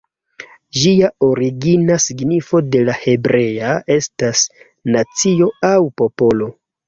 Ĝia origina signifo de la hebrea estas "nacio" aŭ "popolo".